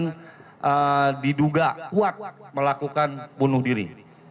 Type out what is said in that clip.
yang diduga kuat melakukan bunuh diri